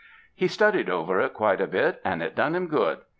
He studied over it quite a bit and it done him good.